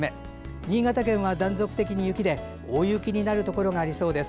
新潟県は断続的に雪で大雪になるところがありそうです。